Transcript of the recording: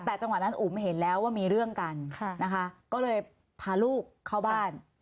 แต่จังหวะนั้นอุ๋มเห็นแล้วว่ามีเรื่องกันนะคะก็เลยพาลูกเข้าบ้าน